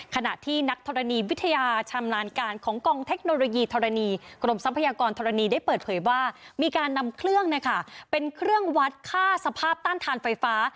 ขณะที่นักธรณีวิทยาชำนาญการของกองเทคโนโลยีธรณีกรมทรัพยากรธรณีได้เปิดเผยว่ามีการนำเครื่องเป็นเครื่องวัดค่าสภาพต้านทานไฟฟ้า